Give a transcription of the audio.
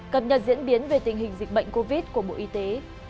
cập nhật diễn biến về tình hình dịch bệnh covid của bộ y tế